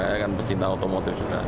saya kan pecinta otomotif juga